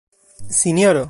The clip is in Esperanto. sinjoro